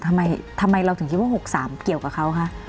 ทำไมทำไมเราถึงคิดว่าหกสามเกี่ยวกับเขาคะ